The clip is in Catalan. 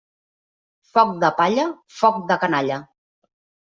Foc de palla, foc de canalla.